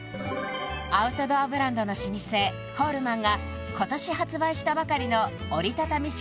アウトドアブランドの老舗コールマンが今年発売したばかりの折りたたみ式